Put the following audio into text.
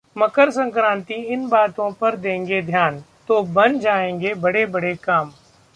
मकर संक्रांतिः इन बातों पर देंगे ध्यान, तो बन जाएंगे बड़े-बड़े काम